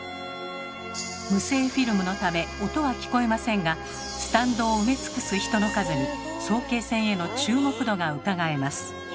無声フィルムのため音は聞こえませんがスタンドを埋め尽くす人の数に早慶戦への注目度がうかがえます。